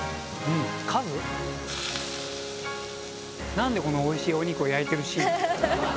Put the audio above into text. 何でこのおいしいお肉を焼いてるシーンなんだろ。